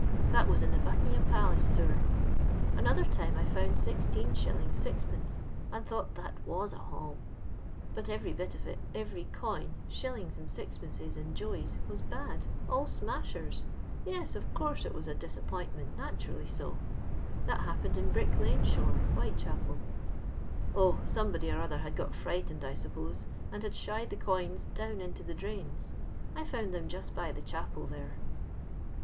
That was in the Buckingham Palace sewer. Anotba time I found IQs. 6i/., and thought that mu a haul; but every bit of it, every coin, shillings and sii pences and joeys, was bad — all smashers. Yes, of course it was a disappointment, naturally sa. That happened in Brick lane .^hore, WhitechapeL O, somebody or other had got frightened, I suppose, and had shi^d the coins down into the drains. I found them just by the chapel there."